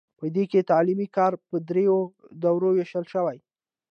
په دې کې تعلیمي کار په دریو دورو ویشل شوی.